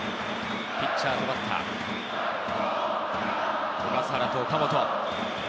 ピッチャーとバッター、小笠原と岡本。